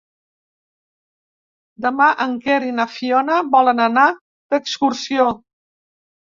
Demà en Quer i na Fiona volen anar d'excursió.